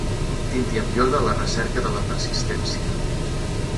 Tinti amb iode a la recerca de la persistència.